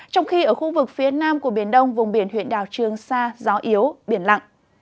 trong khi ở khu vực phía nam của biển đông vùng biển huyện đảo trương sa gió yếu biển lặng